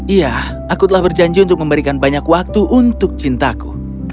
iya aku telah berjanji untuk memberikan banyak waktu untuk cintaku